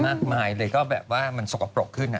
มากมายเลยก็แบบว่ามันสกปรกขึ้น